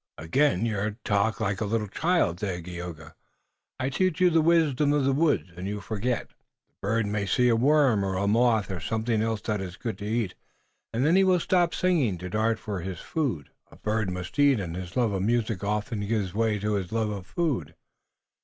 "Again you talk like a little child, Dagaeoga. I teach you the wisdom of the woods, and you forget. The bird may see a worm or a moth or something else that is good to eat, and then he will stop singing to dart for his food. A bird must eat, and his love of music often gives way to his love of food."